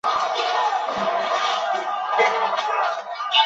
谢尔曼为美国堪萨斯州切罗基县的非建制地区。